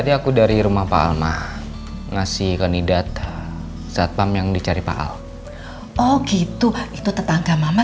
gak boleh sampai terluka